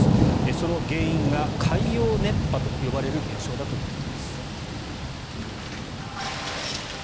その原因が海洋熱波と呼ばれる現象だということです。